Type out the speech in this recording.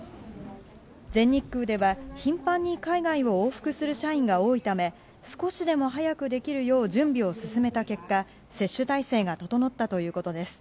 全日空では、頻繁に海外を往復する社員が多いため少しでも早くできるよう準備を進めた結果接種体制が整ったということです。